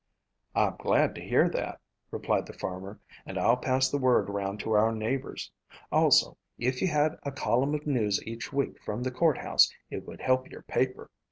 "I'm glad to hear that," replied the farmer, "and I'll pass the word around to our neighbors. Also, if you had a column of news each week from the courthouse it would help your paper.